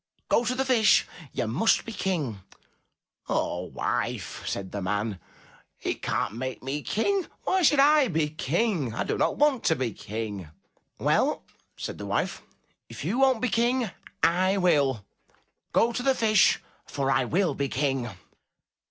Go to the Fish. You must be King. "Ah, wife, said the man, "he can*t make me King. Why should I be King? I do not want to be King. "Well, said the wife, "if you won*t be King, I will; go to the Fish, for I will be King.